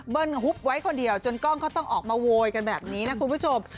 ฮุบไว้คนเดียวจนกล้องเขาต้องออกมาโวยกันแบบนี้นะคุณผู้ชม